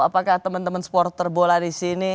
apakah teman teman supporter bola di sini